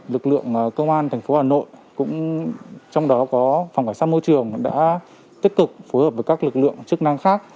lực lượng cơ quan thành phố hà nội cũng trong đó có phòng cảnh sát môi trường đã tích cực phối hợp với các lực lượng chức năng